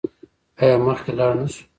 آیا مخکې لاړ نشو؟